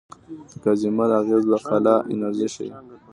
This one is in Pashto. د کازیمیر اغېز خلا انرژي ښيي.